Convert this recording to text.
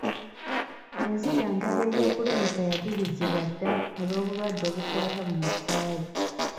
Enzijanjaba ey'okulumika yadibizibwa dda olw'obulwadde obukwatira mu musaayi.